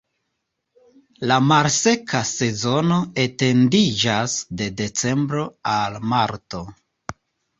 La malseka sezono etendiĝas de decembro al marto.